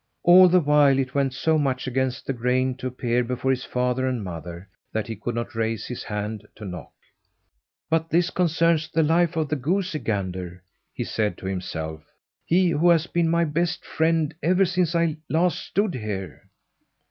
All the while it went so much against the grain to appear before his father and mother that he could not raise his hand to knock. "But this concerns the life of the goosey gander," he said to himself "he who has been my best friend ever since I last stood here."